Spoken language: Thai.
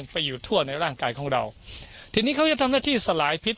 ไปอยู่ทั่วในร่างกายของเราทีนี้เขาจะทำหน้าที่สลายพิษ